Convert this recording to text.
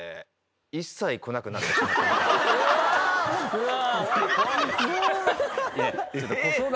うわ。